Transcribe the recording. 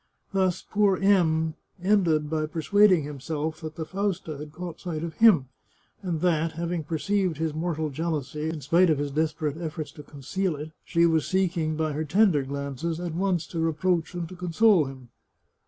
Thus, poor M ended by persuading himself that the Fausta had caught sight of him, and that, having perceived his mortal jealousy, in spite of his desperate efforts to conceal it, she was seeking, by her tender glances, at once to reproach and to console him.